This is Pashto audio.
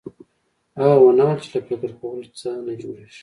هغه ونه ويل چې له فکر کولو څه نه جوړېږي.